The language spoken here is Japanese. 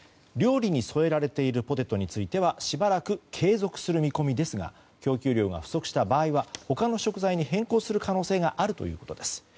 料理に添えられているポテトについてはしばらく継続する見込みですが供給量が不足した場合は他の食材に変更する可能性があるということです。